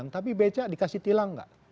tapi bca dikasih tilang nggak